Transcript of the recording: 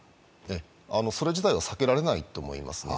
それ自体は避けられないと思いますね。